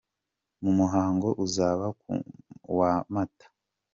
mu muhango uzaba ku wa Mata.